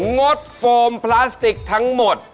ดโฟมพลาสติกทั้งหมด